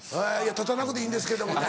立たなくていいんですけどもね。